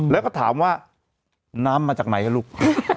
แล้วก็ถามว่าน้ำมาจากไหนลูก